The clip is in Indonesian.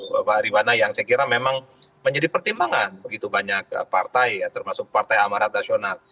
bapak ribana yang saya kira memang menjadi pertimbangan begitu banyak partai ya termasuk partai amarat nasional